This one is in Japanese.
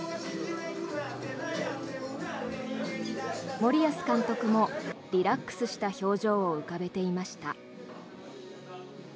森保監督もリラックスした表情を浮かべていました。